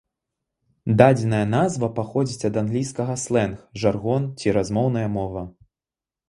Дадзеная назва паходзіць ад англійскага слэнг, жаргон ці размоўная мова.